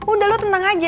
udah lo tenang aja